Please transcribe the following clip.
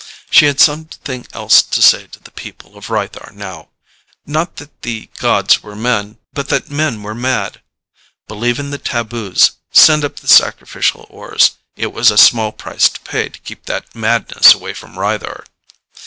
She had something else to say to the people of Rythar now: not that the gods were men, but that men were mad. Believe in the taboos; send up the sacrificial ores. It was a small price to pay to keep that madness away from Rythar.